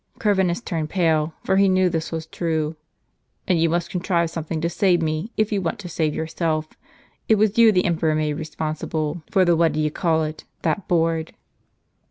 (Corvinus turned pale, for he knew this was true.) "And you must contrive something to save me, if you want to save yourself. It was you the emperor made respon sible, for the what d'ye call it ?— that board."